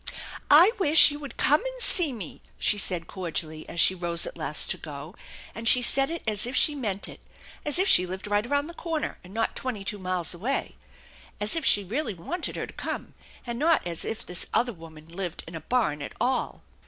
" I wish you would come and see me/' she said cordially as she rose at last to go, and she said it as if she meant it, as if she lived right around the corner and not twenty two miles away, as if she really wanted her to come, and not as if this other woman lived in a barn at all.